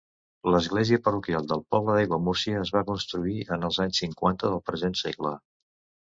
L'església parroquial del poble d'Aiguamúrcia es va construir en els anys cinquanta del present segle.